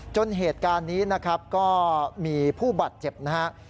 จนเหตุการณ์นี้นะครับก็มีผู้บาดเจ็บนะครับ